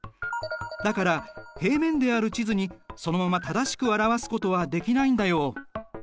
だから平面である地図にそのまま正しく表すことはできないんだよ。